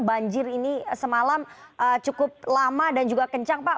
banjir ini semalam cukup lama dan juga kencang pak